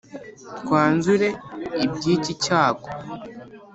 twanzure iby’iki cyago.